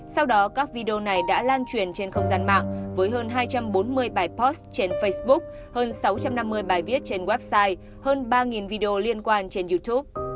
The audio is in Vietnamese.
sau đó các video này đã lan truyền trên không gian mạng với hơn hai trăm bốn mươi bài post trên facebook hơn sáu trăm năm mươi bài viết trên website hơn ba video liên quan trên youtube